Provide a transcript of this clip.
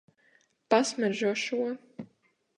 Pasmaržo šo.